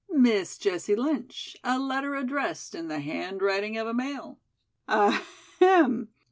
Miss Jessie Lynch, a letter addressed in the handwriting of a male. Ahem!